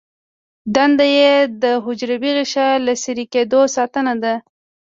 دنده یې د حجروي غشا له څیرې کیدو ساتنه ده.